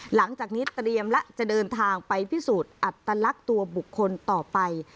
หลังจากนี้เตรียมและจะเดินทางไปพิสูจน์อัตลักษณ์ตัวบุคคลต่อไป